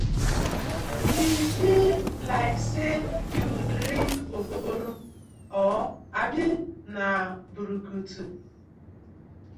E bi like say yu dring ogogoro or abi na brukutu.